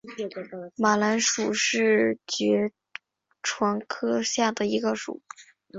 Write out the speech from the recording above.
马蓝属是爵床科下的一个属。